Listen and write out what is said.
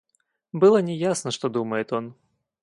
Было не ясно, что думает он.